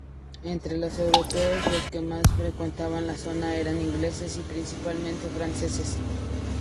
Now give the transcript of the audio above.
Entre los europeos, los que más frecuentaban la zona eran ingleses y, principalmente, franceses.